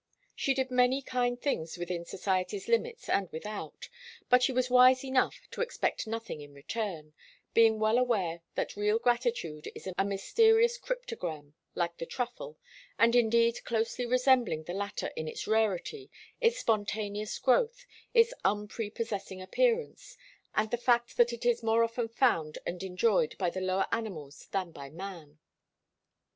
She did many kind things within society's limits and without, but she was wise enough to expect nothing in return, being well aware that real gratitude is a mysterious cryptogam like the truffle, and indeed closely resembling the latter in its rarity, its spontaneous growth, its unprepossessing appearance, and in the fact that it is more often found and enjoyed by the lower animals than by man.